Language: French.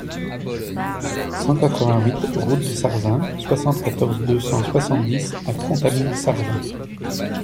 cent quatre-vingt-huit route de Sarzin, soixante-quatorze, deux cent soixante-dix à Contamine-Sarzin